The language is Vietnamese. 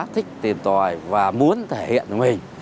thích tìm tòi và muốn thể hiện mình